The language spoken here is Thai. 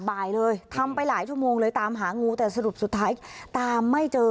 บ่ายเลยทำไปหลายชั่วโมงเลยตามหางูแต่สรุปสุดท้ายตามไม่เจอ